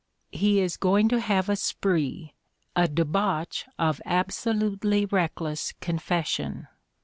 He is going to have a spree, a debauch of absolutely reckless confession.